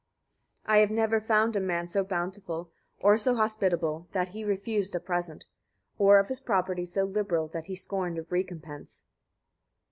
39. I have never found a man so bountiful, or so hospitable that he refused a present; or of his property so liberal that he scorned a recompense.